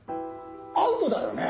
アウトだよね？